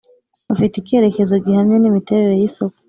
Bafite icyerekezo gihamye n’imiterere y’isoko